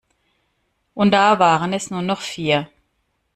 Und da waren es nur noch vier.